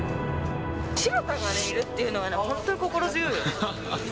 城田がね、いるっていうのはね、本当に心強いよね。